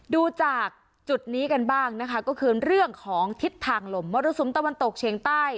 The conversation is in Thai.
ดูจากจุดนี้กันบ้างนะคะก็คือเรื่องของทิศทางลมมรสุมตะวันตกเฉียงใต้